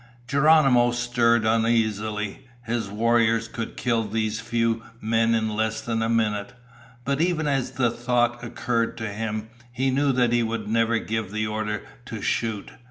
Geronimo stirred uneasily. His warriors could kill these few men in less than a minute. But even as the thought occurred to him, he knew that he would never give the order to shoot.